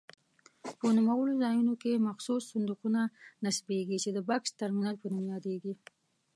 په نوموړو ځایونو کې مخصوص صندوقونه نصبېږي چې د بکس ترمینل په نوم یادیږي.